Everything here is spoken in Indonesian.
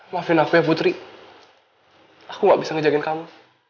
maafin aku ya putri aku nggak bisa ngejakin kamu